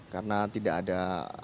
karena tidak ada